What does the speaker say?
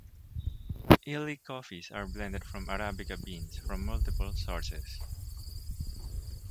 Illy coffees are blended from arabica beans from multiple sources.